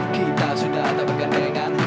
kita sudah tak bergandengan